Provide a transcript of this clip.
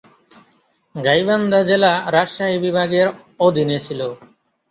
গাইবান্ধা জেলা রাজশাহী বিভাগের অধীনে ছিল।